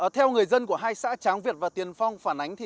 theo người dân của hai xã tráng việt và tiền phong phản ánh